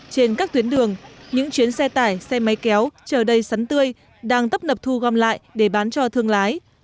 trên các tuyến đường những chuyến xe tải xe máy kéo chờ đầy sắn tươi đang tấp nập thu gom lại để bán cho thương lái